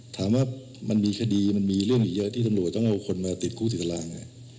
ถามว่ามันมีคดีมันมีเรื่องอีกเยอะที่ตำรวจต้องเอาคนมาติดคู่ติดตาราง